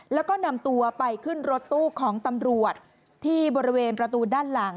แล้วก็นำตัวไปขึ้นรถตู้ของตำรวจที่บริเวณประตูด้านหลัง